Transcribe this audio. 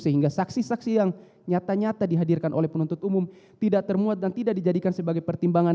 sehingga saksi saksi yang nyata nyata dihadirkan oleh penuntut umum tidak termuat dan tidak dijadikan sebagai pertimbangan